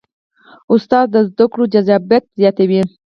استاد د زده کړو جذابیت زیاتوي.